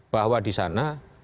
bahwa di sana